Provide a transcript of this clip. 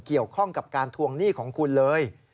เกี่ยวข้องกับการทวงหนี้ของคุณเลย